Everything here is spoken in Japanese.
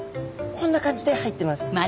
こんな感じで入ってます。